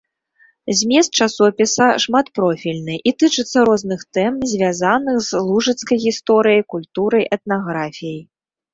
Змест часопіса шматпрофільны і тычыцца розных тэм, звязаных з лужыцкай гісторыяй, культурай, этнаграфіяй.